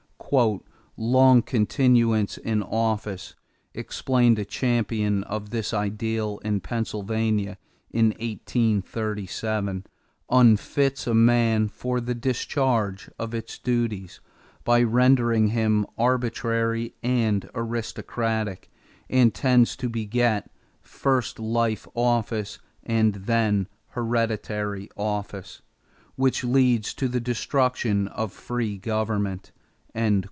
"Long continuance in office," explained a champion of this idea in Pennsylvania in 1837, "unfits a man for the discharge of its duties, by rendering him arbitrary and aristocratic, and tends to beget, first life office, and then hereditary office, which leads to the destruction of free government."